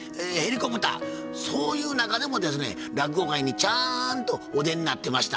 そういう中でもですね落語会にちゃんとお出になってました。